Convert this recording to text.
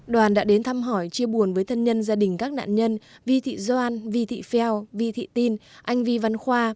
đoàn đã đến thăm hỏi chia buồn với thân nhân gia đình các nạn nhân vi thị doan vi thị pheo vi thị tin anh vi văn khoa